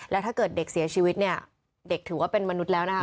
แล้วถ้าเกิดเด็กเสียชีวิตเนี่ยเด็กถือว่าเป็นมนุษย์แล้วนะคะ